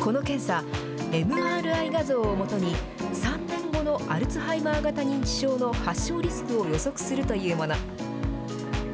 この検査、ＭＲＩ画像を基に３年後のアルツハイマー型認知症の発症リスクを予測するというもの。